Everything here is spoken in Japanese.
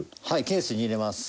ケースに入れます。